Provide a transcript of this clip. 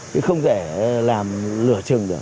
chứ không thể làm lửa chừng được